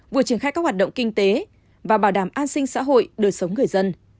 vừa triển khai các hoạt động kinh tế và bảo đảm an sinh xã hội đời sống người dân